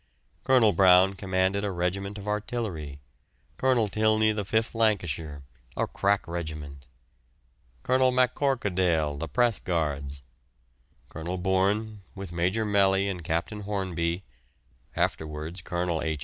Colonel Brown commanded a regiment of artillery: Colonel Tilney the 5th Lancashire, a crack regiment; Colonel MacCorquodale the Press Guards; Colonel Bourne, with Major Melly and Captain Hornby (afterwards Colonel H.